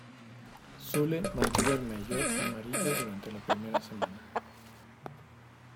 Zülle mantuvo el maillot amarillo durante la primera semana.